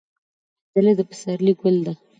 نجلۍ د پسرلي ګل ده.